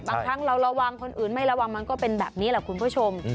บางครั้งเราระวังคนอื่นไม่ระวังมันก็เป็นแบบนี้แหละคุณผู้ชม